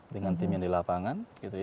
dengan tim yang di lapangan